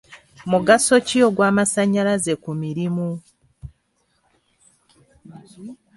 Mugaso ki ogw'amasannyalaze ku mirimu?